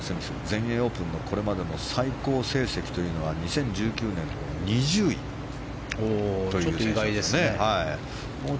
全英オープンのこれまでの最高成績というのは２０１９年の２０位という。